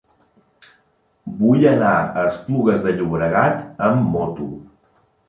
Vull anar a Esplugues de Llobregat amb moto.